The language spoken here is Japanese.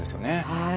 はい。